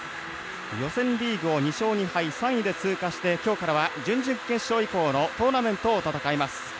予選リーグを２勝２敗３位で通過してきょうからは準々決勝以降のトーナメントを戦います。